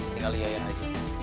tinggal liayah aja